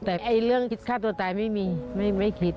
แต่เรื่องคิดฆ่าตัวตายไม่มีไม่คิด